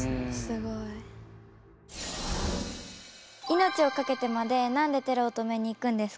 命をかけてまで何でテロを止めに行くんですか？